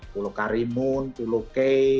pulau karimun pulau kei